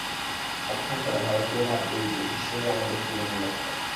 পক্ষান্তরে ভারতীয় ভাব এই যে, ঈশ্বরই আমাদের জীবনের লক্ষ্য।